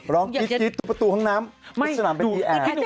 ร้องกิ๊ดดูประตูห้องน้ำดูสนามเป็นที่แอบ